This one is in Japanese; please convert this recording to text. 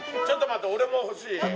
ちょっと待って俺も欲しい。